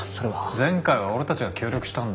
前回は俺たちが協力したんだ。